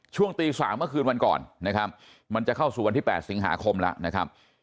ช่วงตี๓เมื่อคืนวันก่อนนะครับมันจะเข้าสู่วันที่๘สิงหาคมแล้วนะครับ